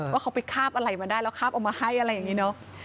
ว่าเขาไปคาบอะไรมาได้แล้วคาบเอามาให้อะไรอย่างนี้เนอะ